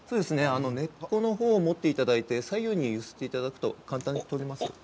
根っこの方を持っていただいて左右に揺すっていただくと簡単に取れます。